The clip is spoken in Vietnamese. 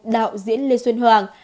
đạo diễn lê xuân hoàng